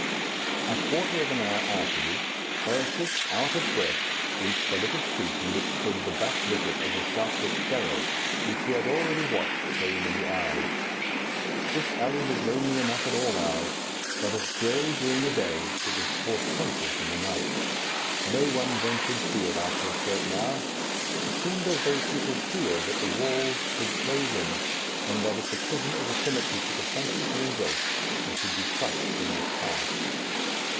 A quarter of an hour afterwards, Ursus, out of breath, reached the little street in which stood the back wicket of the Southwark jail, which he had already watched so many hours. This alley was lonely enough at all hours; but if dreary during the day, it was portentous in the night. No one ventured through it after a certain hour. It seemed as though people feared that the walls should close in, and that if the prison or the cemetery took a fancy to embrace, they should be crushed in their clasp.